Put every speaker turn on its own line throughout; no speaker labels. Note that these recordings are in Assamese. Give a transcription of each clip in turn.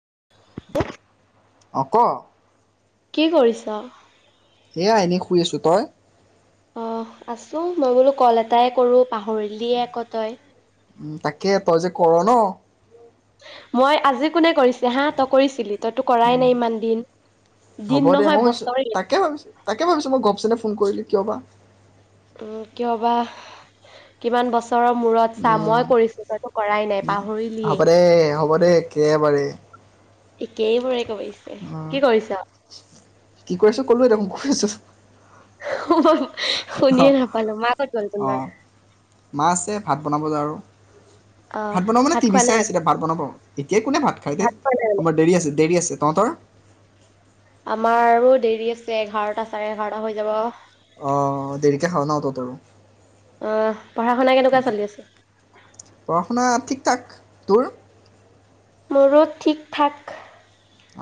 [unintelligible]
অ, ক।
কি কৰিছ?
এয়া এনেই শুই আছোঁ। তই?
আহ আছোঁ, মই বোলো কল এটাই কৰোঁ, পাহৰিলিয়ে আক' তই।
উ তাকে, তই যে কৰ ন।
মই আজি, কোনে কৰিছে হা? তই কৰিছিলি? তইতো কৰাই
উম,
নাই ইমান দিন। দিন
হ'ব দে। মই
নহয়
ভাবিছোঁ,
বছৰেই।
তাকে ভাবিছোঁ, তাকে ভাবিছোঁ মই ঘপকেনে ফোন কৰিলোঁ। কিয় বা?
উম, কিয় বা। কিমান বছ চৰৰ মূৰত চা
উম,
মই কৰিছো, তইতো কৰাই নাই,
হ'ব
পাহৰিলিয়েই।
দে হ'ব দে একেবাৰে
একেইবোৰে কৰিছে। কি
উম।
কৰিছ?
কি কৰিছোঁ কলোৱেই দেখোন, শুই আছোঁ।
হল।
অঁ, অঁ। মা আছে, ভাত বনাব যায় আৰু,
অ'
ভাত বনাব মানে টিভি
খোৱা নাই?
চাই আছিলে, ভাত বনাব। তিয়া কোনে ভাত খাই দে,
খোৱা নাই মানে?
আমাৰ দেৰি আছে, দেৰি আছে। তহঁতৰ!
আমাৰ আৰু দেৰি আছে এঘাৰটা চাৰে এঘাৰটা হৈ যাব
আহ দেৰিকে খাও ন ততৰ
আহ পঢ়া শুনা কেনেকুৱা চলি আছে
কিতাক ধূৰ
মোৰো ঠিক ঠাক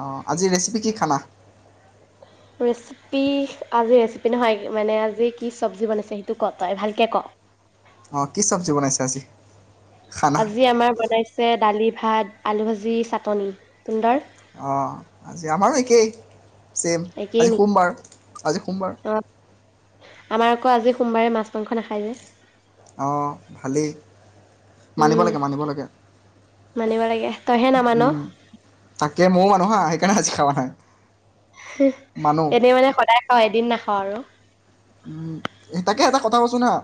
অঁ আজিৰ ৰেচিপি কি খালা
ৰেচিপি আজি ৰেচিপি একো নহয় মানে আজি কি চব্জি বনাইছে সেইটো ক তই ভালকে ক
অ কি চব্জি বনাইছে আজি খানা
আজি আমাৰ বনাইছে দালি ভাত আলু ভাজি চাটনি তুন্দাৰ
অ আজি আমাৰো একেই চেম,
একেই
আজি
নেকি
সোমবাৰ আজি সোমবাৰ।
অ আমাৰ আকৌ আজি সোমবাৰে মাছ মাংস নখাই যে।
অঁ ভালেই মানিব
উম
লাগে মানিব লাগে
মানিব লাগে তইহে নামান
উম তাকে ময়ো মানু হা সেকানে আজি খোৱা নাই মানো
এনেই মানে সদায় খাওঁ এদিন নাখাওঁ আৰু।
উম তাকে এটা কথা কৈছো ন-,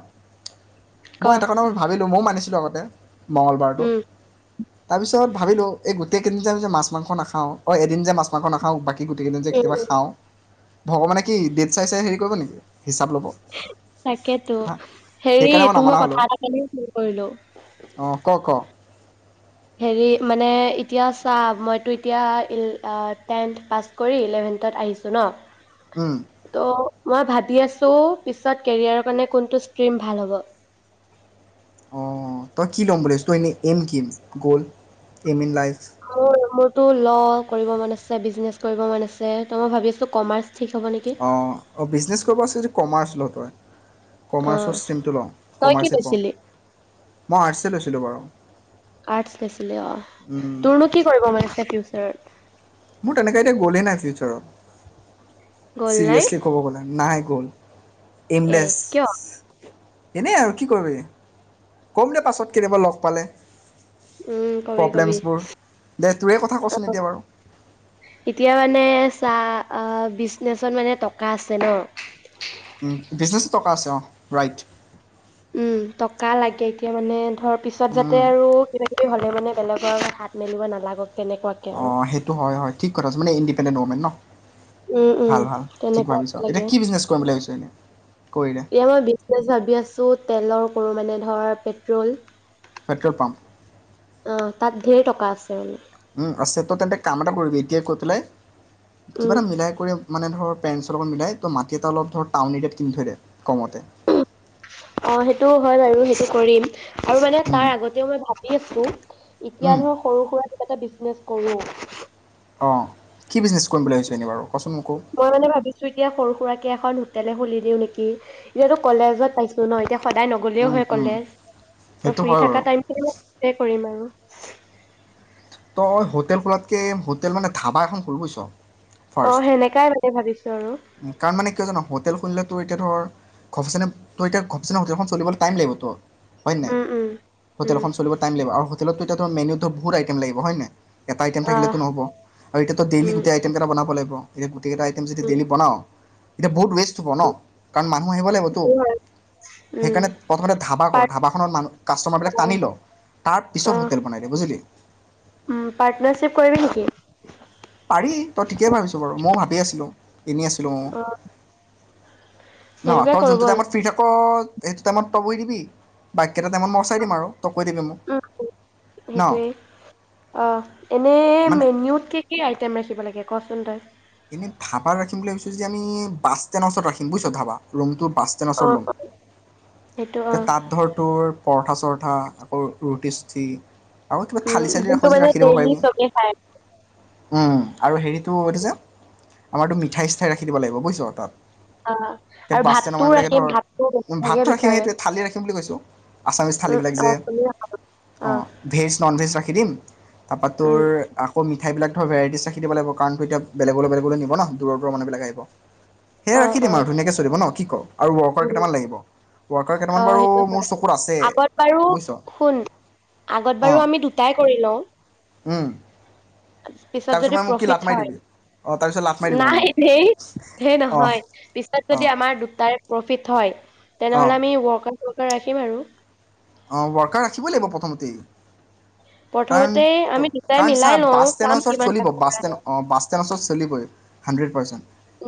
ক
মই এটা কথা মই ভাবিলো ম‌ই মানিছো, লগতে মঙলবাৰটো।
উম
তাৰ পিছত ভাবিলো এই গোটেইদিন যে আমি মাছ মাংস নাখাওঁ আৰু এদিন যে মাছ মাংস নাখাওঁ বাকী স গোটেই কেইদিন যে
উম
কেতিয়াবা
উম
খাওঁ ভগৱানে কি ডেট চাই চাই হেৰি কৰিব নেকি? হিচাপ ল'ব
তাকেতো,
হা
হেৰি
সেইকাৰণে
তোক মই
নামানা হ'লোঁ
কথা এটা কিও ফোন কৰিলো
অঁ ক ক
হেৰি মানে এতিয়া চা মইতো এতিয়া টেন্ঠ পাছ কৰি ইলেভেন্থত আহিছোঁ ন,
উম
ত মই ভাবি আছো পিছত কেৰিয়াৰৰ কাৰণে কোনটো ষ্ট্ৰিম ভাল হ'ব?
অ তই কি ল'ম বুলি, তই এনেম কিম কি? গ'ল এম ইন লাইফ
অ ম তটো ল' কৰিব মন আছে, বিজনেচ কৰিব মন আছে ত' মই ভাবি আছো কমাৰ্চ, ঠিক হ'ব নেকি।
অ অ বিজনেচ কৰিব আছে যদি কমাৰ্চ ল ত‌ই
অ',
কমাৰ্চৰ ষ্ট্ৰীমটো ল।
তই কি
কমাৰ্চে পহ।
লৈছিলি?
মই আৰ্টছে লৈছিলোঁ বাৰু। উম,
দুৰ্নীতি কৰিব মানে খেটো তাৰ
মোৰ তেনেকে এতিয়া গ'লেই নাই ফিউচৰত।
গ'ল নাই
চিৰিয়াছলি ক'ব গ'লে নাই গল
এ
এইমলেছ
কিয়?
এনেই আৰু কি কৰিবি। ক'ম দে পাছত কেতিয়াবা লগ পালে
উম কবি কবি।
প্ৰব্লেমছবোৰ দে তোৰে কথা কচোন
আহ
এতিয়া বাৰু
এতিয়া মানে চাহ বিজনেছত মানে টকা আছে ন?
বিজনেছো টকা আছে অঁ, ৰাইট
উম টকা লাগে এতিয়া মানে, ধৰ পিছত যাতে আৰু কিবাকিবি হ'লে মানে বেলেগৰ আগত হাত মেলিব নালাগক। তেনেকুৱাকে আৰু।
অ', সেইটো হয় হয় ঠিক কথা। মানে কেলে নমে ন।
উম উম
ভাল ভাল ঠিক
তেনেকোৱা
ভাবিছ এতিয়া
লাগে।
কি বিজনেছ কৰিম বুলি ভাবিছ এনেই কৰিলে
এতিয়া মই বিশ ভাবি আছো তেলৰ [unintelligible] মানে ধৰ পেট্ৰল।
পেট্ৰল পাম্প
অ', তাত ঢেৰ টকা। [unintelligible]
উম আছে তই তেন্তে কাম এটা কৰিবি এতিয়া কৈ পেলাই কিবা
উম,
এটা মিলাই কৰি মানে ধৰ পেৰেণ্টছৰ লগত মিলাই তই মাটি এটা অলপ ধৰ টাউন এৰিাত কিনি থৈ দে কমতে।
অ সেইটো হয় বাৰু সেইটো কৰিম। আৰু মানে
উম,
তাৰ আগতেও মই ভাবি আছো এতিয়া
উম,
ধৰ সৰু সুৰা কিবাকে বিজনেছ কৰোঁ।
অঁ, কি বিজনেছ কৰিম বুলি ভাবিছ এনেই বাৰু? কচোন মোকো
মই মানে ভাবিছো এতিয়া সৰু সুৰাকে এখন তেতিয়ালৈ খুলি দিও নেকি, এতিয়াতো কলেজত পাইছো ন এতিয়া সদায় নগলেও
উম,
হয়
উম,
কলেজ। ত
সেইটো
ফ্ৰী
হয় বাৰু
থকা টাইম [unintelligible] কৰিম আৰু।
তই, অ, হোটেল খোলাতকে হোটেল মানে ধাবা এখন খোল, বুইছ?
অ',
ফাৰ্ষ্ট,
সেনেকাই মানে ভাবিছো আৰু
তাৰ মানে কিয় জান হোটেল খুলিলে ত এতিয়া ধৰ ঘপচনে তোৰ এতিয়া ঘপচেনে হোটেলখন চলিবলৈ টাইম লাগিব ত। হয়ে নাই?
উম, উম,
হোটেল
উম,
এখন চলিব টাইম লাগিব। আৰু হোটেলতো মেনুত ধৰ বহুত আই তেম লাগিব হয় নাই? এটা আইটেম
আহ,
থাকিলেতো নহ'ব। আৰু এতিয়াো ডেইলি
উম,
গোটেই আইটম কেইটা বনাব লাগিব। এই টিকেট আইটেম যদি ডেইলী বনাও এতিয়া বহুত ৱেষ্ট হব ন, কাৰণ ম মানুহ আহিব লাগিবতো,
উম, উম
সেইকাৰণে প্ৰথমতে ধাবা কৰ
পাৰ
ধাবাখনত মানুহ কাষ্টমাৰবিলাক টানি ল, তাৰ
অ
পিছত হোটেল বনাই দে বুজিলি?
পাৰ্টনাৰশ্বিপ কৰিবি নেকি?
পাৰি তই ঠিকেই ভাবিছ বাৰু, মই ভাবি আছিলো। এনেই আছিলো অঁ।
অ
ন?
সেইটোকে
তই
কৰো
যোনটোতে
ব'ল
আমাৰ ফি থাক সেইটো টাইমত তই বহি দিবি বাকী
উ,
ন
সেইটোৱে অ, এনে
মানে
মেনউত কে কি ম ৰাখিব লাগে কচোন তই?
এনে ধাবা ৰাখিম বুলি ভাবিছো যে, আমি বাছ ষ্টেণ্ডৰ ওচৰত ৰাখিম বুইছ ধাবা ৰুমটো বাছ ষ্টেণ্ডৰ
অ
ওচৰত লম,
সেইটো অ
তাত ধৰ তুৰ পৰঠা পৰ্থা আকৌ ৰুটি-চুটি আৰু কিবা থালি
উম
চালি ৰাখ
যোনটো
যদি
মানে
ৰাখি দিব
ডেইলি
পাৰিবি।
চবে খায়
উম আৰু হেৰিত কি, কিছে? আমাৰতো মিঠাই চিঠাই ৰাখি দিব লাগিব বুজিছ তাত।
অ
এতিয়া
আৰু
বাছ ষ্টেণ্ডৰ
ভাতটোও
মানুবিলাকে
ৰাখিম ভাতটো
ধৰ
বেছিভাগে
ভাতটো ৰাখিম
বিচাৰে
সেইটোৱে থালি ৰাখিম বুলি কৈছোঁ। আছামিজ থালিবিলাক
উম
যে
অ তুমিও অ
অঁ, ভেজ নন ভেজ ৰাখি দিম। তাপা তোৰ
উম
আকৌ মি সেবিলাক ধৰ ভেৰাটিজ ৰাখ দিব লাগ কাৰণ এতিয়া বেলেগলৈ-বেলেগলৈ নিব ন, দূৰৰ পৰা মানুহবিলাক আহিব। সেয়া
অ
ৰাখি
অ
দিম আৰু ধুনীয়াকে চলিব ন কি ক। আৰু ৱৰ্কাৰ
উম
কেইটামান লাগিব।
অ,
বাৰু
সেইটো
মোৰ
হয়।
চকুত আছে
আগত বাৰু
বুজিছ
শুন আগত বাৰু
অঁ
আমি দুটাই কৰি লওঁ পিছত
তাৰপিছত
যদি
মানে মোক কি
প্ৰফিট
লাট মাৰি
হয়।
দিবি অঁ তাৰপিছত লাট মাৰি দিবি মানে
নাই
মোক
হে, হেৰ
অঁ
নহয় পিছত যদি
অঁ
আমাৰ দুটাৰে প্ৰফিট হয় তেনেহ'লে
অঁ
আমি আমি ৱৰ্কাৰ চোৱকাৰ ৰাখিম আৰু।
অঁ, ৱৰ্কাৰ ৰাখিবই লাগিব প্ৰথমতেই। কাৰণ,
প্ৰথমতে আমি দুটাই
কাৰণ চা
মিলাই লওঁ
বাছ
চাম
ষ্টেণ্ডৰ ওচৰত
কিমান টা
চলিব, বাছ
কৰা
ষ্টেণ্ড
হয়
অ বাছ ষ্টেণ্ডৰ ওচৰত চলিবই। হাণ্ড্ৰেড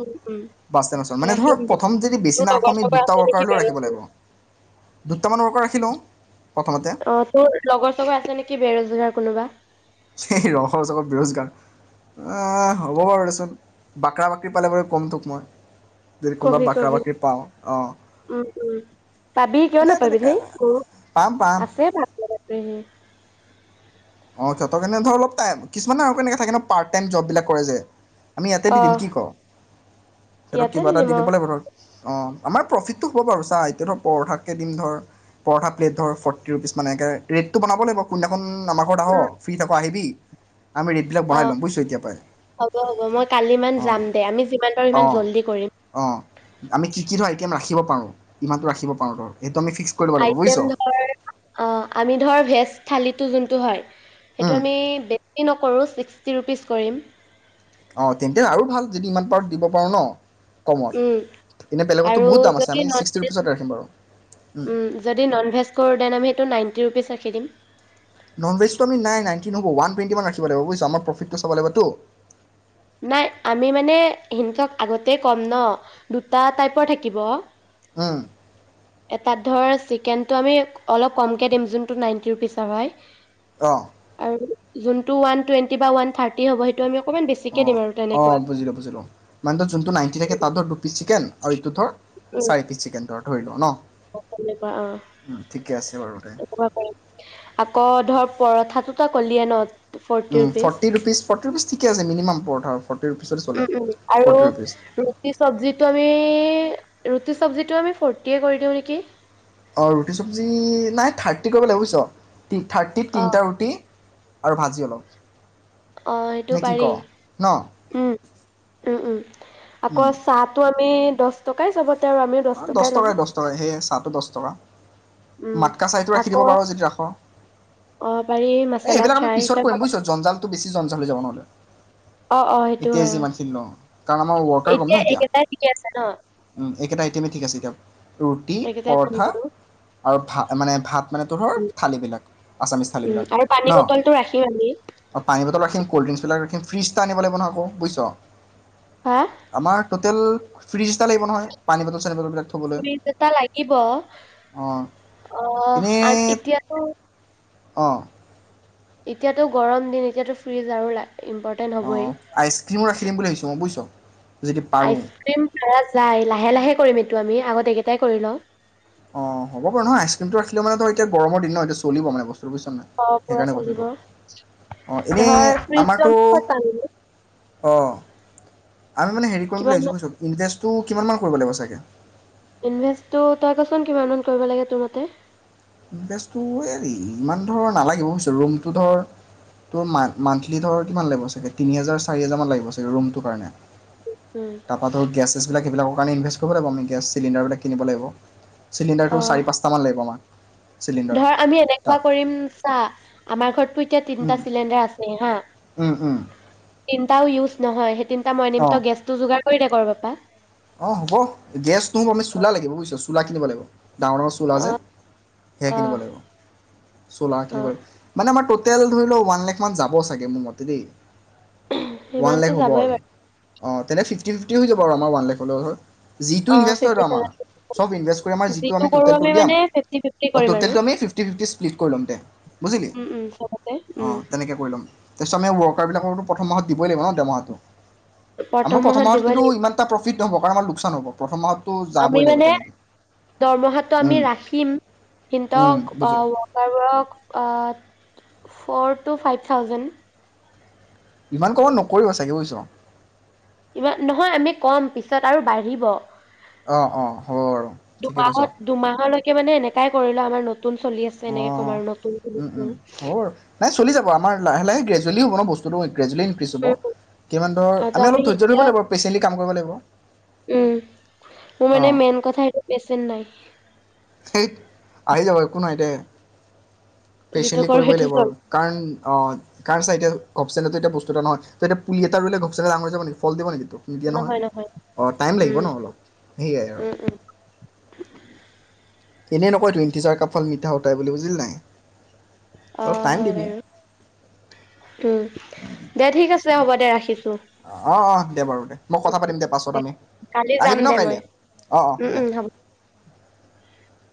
উম উম
বাছ ষ্টেণ্ডৰ ওচৰত মানে
ৰাখিম
ধৰক
দে
প্ৰথম যদি
তোৰ
বেছি
লগৰ
নাৰাখোঁ আমি
চগৰ
দুটা
আছে নেকি
ৱৰ্কাৰ হলো
বেৰজ
ৰাখিব লাগিব। দুটামান ৱৰ্কাৰ ৰাখি লওঁ প্ৰথমতে।
অ তোৰ লগৰ চগৰ আছে নেকি বেৰজগাৰ কোনোবা।
এই লগৰ চগৰ বিৰোজগাৰ হ'ব বাৰু দেচোন বাকৰা বাকৰি পালেলৈ কম তোক মই। যদি কোনোবা
কবি,
বাকৰা
কবি
বাকৰি পাওঁ অঁ
উম, উম পাবি কিয়
মানে
নাপাবি
তেনেকৈ
হেই
পাম পাম
আছে ভালে।
অঁ, সিহঁত কেনে ধৰ অলপ টাই কিছুমানে আৰু কেনেকা থাকেনে পাৰ্ট টাইম জবিলাক কৰে যে? আমি ইয়াতে দি
অ
দিম কি ক সিহঁতক
ইয়াতে
কিবা এটা
দিম
দি
অ
দিব লাগিব ধৰক অঁ। আমাৰ প্ৰফিটটো হ'ব বাৰুা এতিয়া ধ পৰঠাকে দিম ধৰ পৰঠা প্লেট ধৰ ফৰ্টি ৰুপিজ মান এে ৰেটটো বনাব লাগিব কোন খন আহত আহঁ
উম,
ফ্ৰী থাকো আহিবি আমি ৰেটবিলাক
অ
বঢ়াই ল'ম বুজিছোঁ এতিয় পৰাাই
হ'ব হ'ব মই কালি মান
অঁ
যাম দে আমি যিমান পাৰো সিমান
অঁ
জল্দি কৰিম
অঁ আমি কি কি ধৰ আইটেম ৰাখিব পাৰোঁ ইমানো ৰাখিব পাৰো ধ
আইটেম ধৰ অ আমি ধৰ ভেজ থালিটো যোনটো হয় সেইটো
উম,
আমি বেছি নকৰো ছিক্সটি ৰূপিছ কৰিম।
অ তেন্তে আৰু ভাল যদি ইমান পাৰত দিব পাৰো ন কমত
উ
এনে বেলেগতো
আৰু
বহুত দাম আছে আমি
যদি নন
ছিক্সটি
ভেজ
ৰুপিচত ৰাখিম বাৰু উম,
উ যদি নন ভেজ কৰোঁ তেনে আমি সেইটো নাইনটি ৰুপিচ ৰাখি দিম
নন ভেজটো আমি নাই নাই কিন্তু ওৱান টুৱেণ্টিমান ৰাখিব লাগিব বুজিছ আমাৰ প্ৰফিটটো চাব লাগিবতো
নাই আমি মানে সিহঁতক আগতে ক'ম ন দুটা টাইপৰ থাকিব
উম,
এটাত ধৰ তেন্তে আমি অলপ কমকে দিম, জোনটো মন্থলী পইচা হয়
অহ
আৰু যোনটো ৱান টুৱেন্টি বা ৱান থাৰ্টি হব হেটো আমি অকনমান বেছি
অঁ অঁ বুজিলোঁ বুজিলোঁ মানে ত যোনটো নাইণ্টি থাকে তাত ধৰ দু পিচ চিকেন আৰু এইটো ধৰ
উম,
চাৰি পিচ চিকেনত ধৰি লওঁ ন
অ কেনেকুৱা
উম, ঠিকে আছে বাৰু দে
আকৌ ধৰ পৰঠাতো তইকলিৱে ন ফৰ্টি
অ
rupees.
Forty rupees forty rupees ঠিকে আছে মিনিমাম পৰ ধ আৰু
উম উম আৰু ৰুটি চবজিটো আমি ৰুটি চবজিটো আমি ফৰটিয়ে কৰি দিওঁ নেকি
অ ৰুটি চব্জি নাই থাৰ্টি কৰিব লাগিব বুজিছ থাৰ্টিত
অ
তিনিটা ৰুটি আৰু ভাজি অলওঁ
অ সেইটো পাৰি উম উম উম আকৌ চাহটো আমি এ দহ টকাই ঢবত
অ দহ টকাই দহ টকাই সেয় চাহটো দহ টকা
উম।
মাতকা চাহটো ৰাখি
আকৌ
দিব পাৰো যদি ৰাখ
অ পাৰি
এই
মচালা
এইবিলাক আমি
চাই
পিছত কৰিম ব জঞ্জাল বেছি জঞ্চাল হৈ যাব নহলে
অ অ সেইটো
এতিয়াই
হয় অ।
যিমানখিনি ল কাৰণ আমাৰ ৱৰ্কাৰ ক'ম ন এতিয়া
এইকেইটাই ঠিকে আছে ন
উ একেটাই ঠিক আছে দিয়ক ৰুটি
এইকেইটাই ডান
পৰঠা
কৰো।
আৰু ভাত মানে ভাত মানে ধোৰ ধৰ
উম
থালিবিলাক আছামিছ
উম
থালিবিলাক
আৰু পানী
ন
বটলটো ৰাখিম আমি
পানী বটল ৰাখিম কল্ড ড্ৰিংকছবিলাক ৰাখিম ফ্ৰিজটা আনিবলৈ বনাবোঁ বুজিছ
হা
আমাৰ ট'টেল ফ্ৰিজ এটা লাগিব নয় পানী বাতত
পানি বটল লাগিব
অঁ
আহ এতিয়াতো
অ।
এতিয়াতো গৰম দিন এতিয়াতো ফ্ৰীজ আৰু ওলাই।
অ অ, আইচক্ৰীমো ৰাখি দিম বুলি ভাবিছো মই বুজিছ। যদি পাৰোঁ
আইচক্ৰীম কৰা যাই লাহে লাহে কৰিম এ এইটো আমি আগত এইকেইটাই কৰি লওঁ।
অ হ'ব বাৰু নহয় আইচক্ৰীমটো ৰাখিলে মানে ধৰ এতিয়া গৰমৰ দিন ন এতিয়া চলিব মানে বস্তু ৰুবি শৰ্মা
অ পুৰা
সেইকাৰণে কৈছো
চলিব
তোক অ এনে
ধৰ ফ্ৰিজটো
আমাৰতো
আমি ক'ত পাম
অ। আমি মানে হেৰি কৰিম বুলি
কিমান
আহিছো
মান
বুজিছো ইনভেষ্ট। তোৰ কিমান মান কৰিব লাগিব চাগে
ইনভেষ্টটো তই কচোন কিমানমান কৰিব লাগে তোৰ মতে
ইনভেষ্টটো হেৰি ইমান ধৰ নালাগিব বুজিছ ৰুমটো ধৰ তোৰ মন্থ মন্থলী ধৰ কিমান লাগিব চাগে তিনি হেজাৰ চাৰি হেজাৰ মান লাগিব চাগে ৰুমটোৰ কাৰণে।
উম,
তাৰপৰা ধৰ গেছছেছবিলাক সেইবিলাকৰ কাৰণে ইনভেষ্ট কৰ ফালে পাম আমি গেছ চিলিণ্ডাৰবিলাক কিনিব লাগিব।
অ
চিলিণ্ডাৰটো চাৰি-পাঁচটামান লাগিব আমাৰ।
ধৰ আমি এনেকুৱা কৰিম চা আমাৰ ঘৰটোই এতিয়া তিনটা চিলিণ্ডাৰ আছেই হা তিনটা উজ নহয় হুমহ। এ মই নিমতা গেছটো যোগাৰ কৰি তাকৰ পাপা।
অ হ'ব গেছ নহ'ব আমি
অ
চুলহা লাগিব বুজিছ চুলহা কিনিব লাগিব। ডাঙৰ ডাঙৰ চুলহা যে সেয়া
অ
কিনিব লাগিব চুলহা
অ
কিনিব লাগিব মানে আমাৰ টটে তেল ধৰি লও ওৱান লাখ মান যাব চাগে মোৰ মতে দেই। ওৱান
সিমানতো
লাখ হব
যাবই
আৰু
বাৰু
অ তেনে ফিফটি ফিফটি হৈ যাব আৰু আমাৰ ওৱান লাখ অ দল হয়। যিটো
অ
ইনভেষ্ট হয়
ফিফটি
সেইটো, আমাৰ
থাউজেণ্ড
চব ইনভেষ্ট কৰি, আমাৰ যিটো আমি
কৰো
ট'টেলটো উলিয়াম,
মানে ফিফটি ফিফটি
অ,
কৰিম আৰু
ট'টেলটো আমি ফিফটি, ফিফটি স্প্লিট কৰি ল'ম দে, বুজিলি
উম, উম, চবতে
অ,
উম,
তেনেকে কৰি ল'ম। অসমীয়া ৱৰ্কাৰবিলাকৰতো, প্ৰথম মাহত দিবই, লাগিব ন দৰমহাটো। আমাৰ প্ৰথম মাহত কিন্তু, ইমানটা প্ৰফিট ফ্ৰীত নহ'ব কাৰণ, আমাৰ লোকচান হ'ব প্ৰথম মাহত
আমি মানে, দৰমহাটো আমি
উম,
ৰাখিম,
উম,
সিহঁতক অ,
বুজিলোঁ
ৱৰ্কেৰবোৰক আত ফৌৰ টো ফাইভ থাউজেণ্ড।
ইমান কমত নকৰিব, চাগে বুজিছ।
ইমান নহয়, আমি কম পিছত আৰু বাঢ়িব।
অঁ অঁ হ'ব বাৰু ঠিকে কৈছ
দুমাহত, দুমাহলৈকে মানে এনেকাই ধৰিলো আমাৰ নতুন নতুন চলি আছে, এনেকে
অঁ
কম আৰু নতুন
লাহ, লাহে, গ্ৰদুৱেলী হ'ব ন বস্তুটো। গ্ৰদুৱেলি ইনক্ৰ্ৰীজ হ'ব,
উম
কিমান ধৰ,
অ' ত
আমি অলপ ধৈৰ্য ধৰি
এতিয়া
লাগিব পেশেণ্টলি। কাম কৰিব লাগিব।
উম, মোৰ মানে
অঁ
মেইন কথাটো, সেইতো পেইশেণ্ট নাই।
থেই, আহি যাব, একো নাই দে।
যিটো
পেচেণ্টলি
কৰো
কৰিবই
সেইটো
লাগিব, আৰু
চল
কাৰণ অঁ, কাৰণ চা এতিয়া ঘপচনেত এতিয়া বস্তু এটা নহয়, ত‌ই এতিয়া পুলি এটা ৰুলে, ঘপচাতে ডাঙৰ হৈ যাব নেকি, ফল দিব নেকি। খ নি দিয়া নহয়। অঁ, টাইম লাগিব
উম
ন অলপ সেয়াই আৰু।
উম উম
এনেই নকয়টো, ইণ্টেজাৰ কা ফাল মিঠা হোতা হে বুলি বুজিলি নে নাই। অলপ
অঁ,
টাইম
হয়
দিবি
বাৰু, উম দে ঠিক আছে হ'ব দে, ৰাখিছোঁ।
অঁ, অঁ, দে বাৰু, দে, মই কথা পাতিম দে, পাছত আমি
কালি যাম
আহিবি, ন
দে মই
কাইলৈ, অঁ, অঁ
উম
দে।
উম হ'ব